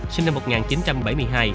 sinh năm một nghìn chín trăm bảy mươi hai